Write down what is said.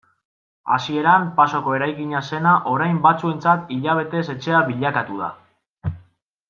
Hasieran pasoko eraikina zena orain batzuentzat hilabetez etxea bilakatu da.